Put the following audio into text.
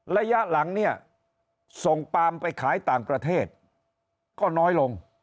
ระยะหลังเนี่ยส่งปามไปขายต่างประเทศก็น้อยลง